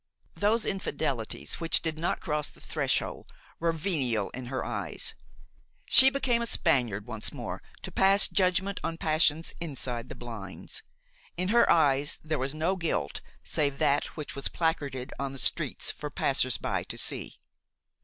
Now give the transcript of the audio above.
Those infidelities which did not cross the threshold were venial in her eyes. She became a Spaniard once more to pass judgment on passions inside the blinds; in her eyes there was no guilt save that which was placarded on the streets for passers by to see.